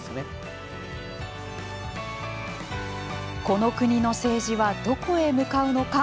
この国の政治はどこへ向かうのか。